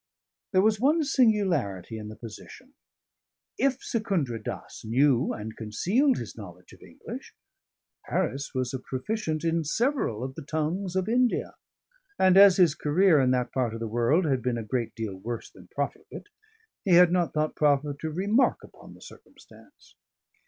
There was one singularity in the position. If Secundra Dass knew and concealed his knowledge of English, Harris was a proficient in several of the tongues of India, and as his career in that part of the world had been a great deal worse than profligate, he had not thought proper to remark upon the circumstance.